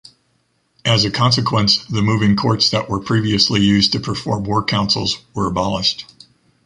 As a consequence, the moving courts that were previously used to perform war councils were abolished.